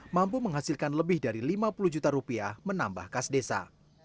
mampu menghasilkan lebih dari lima puluh juta rupiah menambah kas desa